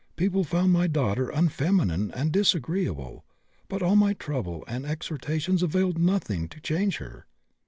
People found my daughter unfeminine and disagreeable, but all my trouble and exhortations availed nothing to change her."